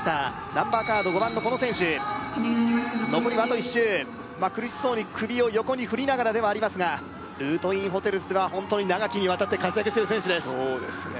ナンバーカード５番のこの選手残りはあと１周まあ苦しそうに首を横に振りながらではありますがルートインホテルズではホントに長きにわたって活躍している選手ですそうですね